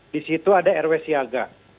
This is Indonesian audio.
di situ ada rw siaga